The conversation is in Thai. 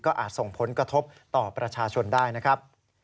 อาจส่งผลกระทบต่อประชาชนได้นะครับ